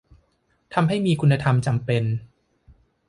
ทำให้มีคุณธรรมจำเป็น